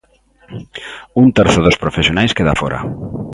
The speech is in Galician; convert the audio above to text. Un terzo dos profesionais queda fóra.